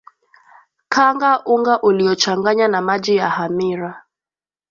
kanga unga uliochanganya na maji ya hamira